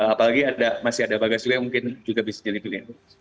apalagi masih ada bagasi yang bisa jadi pilihan